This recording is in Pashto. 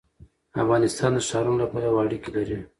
افغانستان د ښارونو له پلوه اړیکې لري.